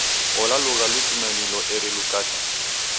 Ulo lugha lutumalilo eri lukate.